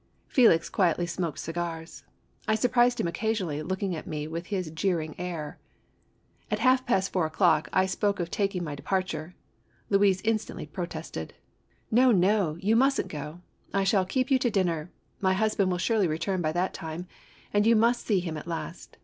Fdlix quietly smoked cigars. I surprised him occasionally looking at me with his jeer ing air. At half past four o'clock I spoke of taking my de parture. Louise instantly protested. " No, no, you mustn't go ! I shall keep you to dinner ! My husband will surely return by that time, and you will see him at last